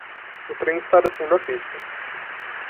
O trem está descendo a pista.